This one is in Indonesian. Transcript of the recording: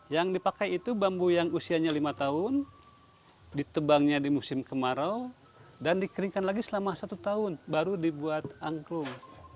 yang dipakai itu bambu yang usianya lima tahun ditebangnya di musim kemarau dan dikeringkan lagi selama satu tahun baru dibuat angklung